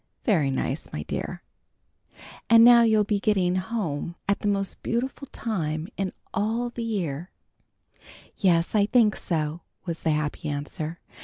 "Very nice, my dear. And now you'll be getting home at the most beautiful time in all the year." "Yes, I think so," was the happy answer.